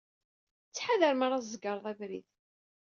Ttḥadar mi ara tzegreḍ abrid.